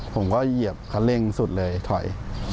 เหยียบคันเร่งสุดเลยถอย